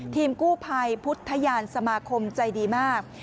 ทีมกู้ภัยพุทธยานสมาคมใจดีมาก